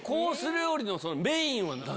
料理のメインは何？